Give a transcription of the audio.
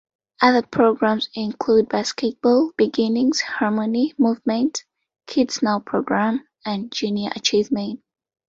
Other programs include Basketball Beginnings, Harmony Movement, Kids Now Program, and Junior Achievement.